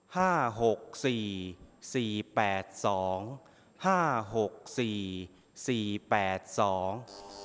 หกสี่สี่แปดสองห้าหกสี่สี่แปดสอง